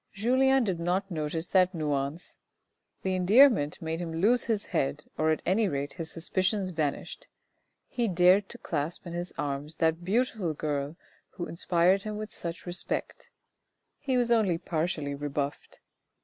Julien did not notice that nuance. The endearment made him lose his head, or at any rate his suspicions vanished. He dared to clasp in his arms that beautiful girl who inspired him with such respect. He was only partially rebuffed.